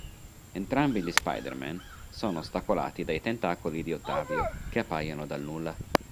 Entrambi gli Spider-Men sono ostacolati dai tentacoli di Ottavio, che appaiono dal nulla.